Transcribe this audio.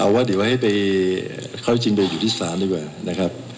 เอาว่าเดี๋ยวให้ไปเข้าจริงโดยอยู่ที่ศาลดีกว่านะครับ